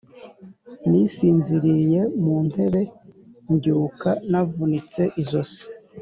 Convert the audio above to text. Nisinziririye mu ntebe mbyuka navunitse izosi